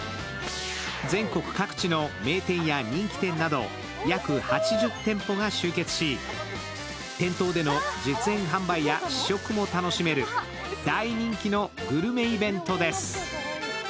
全国各地の名店や人気店など約８０店舗が集結し、店頭での実演販売や試食も楽しめる大人気のグルメイベントです。